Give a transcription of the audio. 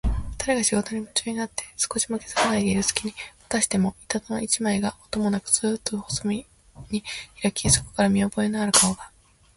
ふたりが仕事にむちゅうになって少しも気づかないでいるすきに、またしても板戸の一枚が、音もなくスーッと細めにひらき、そこから見おぼえのある顔が、